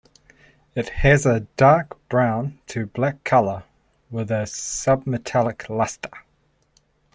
It has a dark brown to black color with a submetallic luster.